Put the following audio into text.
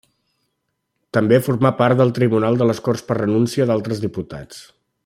També formà part del Tribunal de les Corts per renúncia d'altres diputats.